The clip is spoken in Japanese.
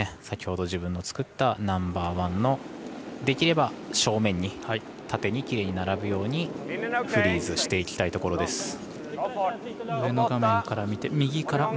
先ほど自分の作ったナンバーワンのできれば正面に縦にきれいに並ぶようにフリーズしていきたいところです。